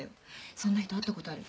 そんな人会ったことある？